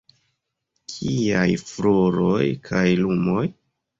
Kiaj floroj kaj lumoj?